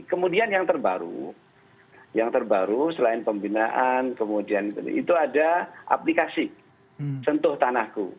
kemudian yang terbaru yang terbaru selain pembinaan kemudian itu ada aplikasi sentuh tanahku